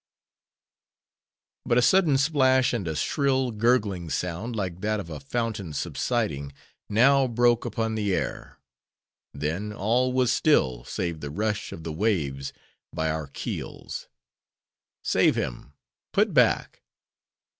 But a sudden splash, and a shrill, gurgling sound, like that of a fountain subsiding, now broke upon the air. Then all was still, save the rush of the waves by our keels. "Save him! Put back!"